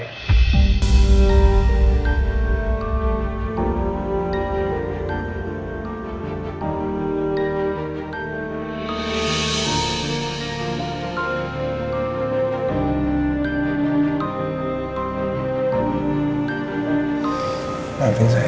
sampai jumpa lagi